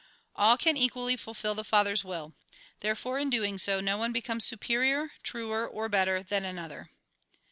All can equally fulfil the Father's will. There fore, in so doing, no one becomes superior, truer or better, than another.